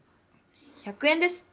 １００円ですって。